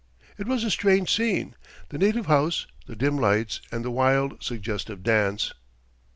It was a strange scene the native house, the dim lights, and the wild, suggestive dance.